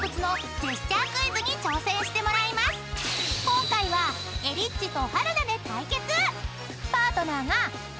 ［今回はえりっちと春菜で対決！］